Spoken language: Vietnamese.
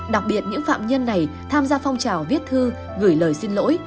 đặc biệt những phạm nhân này tham gia phong trào viết thư gửi lời xin lỗi